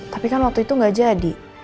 tapi kan waktu itu gak jadi